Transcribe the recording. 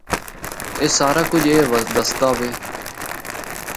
اے سارا کجھ اے دسدا وے۔